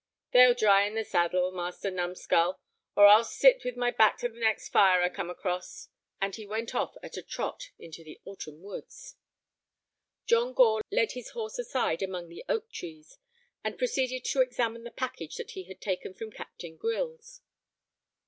"They'll dry in the saddle, Master Numskull, or I'll sit with my back to the next fire I come across." And he went off at a trot into the autumn woods. John Gore led his horse aside among the oak trees, and proceeded to examine the package that he had taken from Captain Grylls.